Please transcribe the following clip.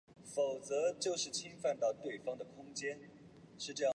鸭跖草状凤仙花为凤仙花科凤仙花属下的一个种。